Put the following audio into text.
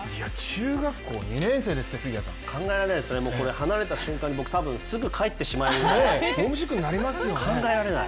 中学校２年生ですって、杉谷さん。考えられないですね、僕、離れた瞬間にすぐ帰ってしまうぐらい、考えられない。